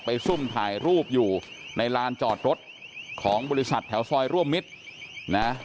ซุ่มถ่ายรูปอยู่ในลานจอดรถของบริษัทแถวซอยร่วมมิตรนะ